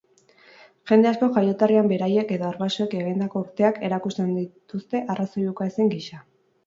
Jende askok jaioterrian beraiek edo arbasoek egindako urteak erakusten dituzte arrazoi ukaezin gisa.